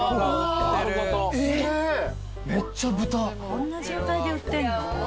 こんな状態で売ってんの？